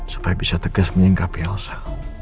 supaya bisa tegas menyingkapi elsa